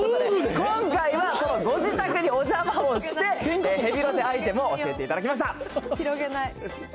今回はそのご自宅にお邪魔をして、ヘビロテアイテムを教えていた広げない。